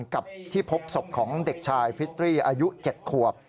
กับที่พบศพของเด็กชายฟิสตรีอายุ๗ขวบ